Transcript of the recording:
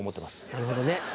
なるほどね。